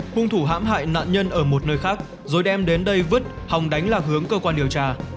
hung thủ hãm hại nạn nhân ở một nơi khác rồi đem đến đây vứt hòng đánh lạc hướng cơ quan điều tra